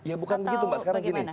ya bukan begitu mbak sekarang gini